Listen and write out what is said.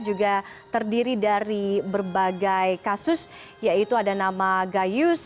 juga terdiri dari berbagai kasus yaitu ada nama gayus